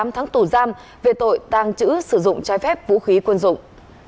một mươi tám tháng tù giam về tội tàng trữ sử dụng trái phép vũ khí quân dụng